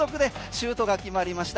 シュートが一発で入りました。